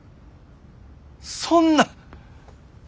そんな！